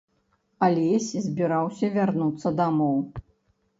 Алесь збіраўся вярнуцца дамоў.